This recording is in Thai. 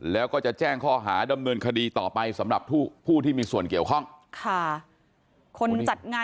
แล้วก็จะแจ้งข้อหาดำเนินคดีต่อไปสำหรับผู้ที่มีส่วนเกี่ยวข้องค่ะ